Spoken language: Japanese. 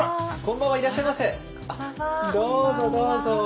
どうぞどうぞ。